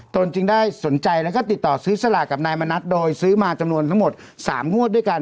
ตนจึงได้สนใจแล้วก็ติดต่อซื้อสลากกับนายมณัฐโดยซื้อมาจำนวนทั้งหมด๓งวดด้วยกัน